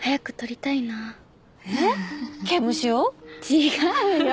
違うよ。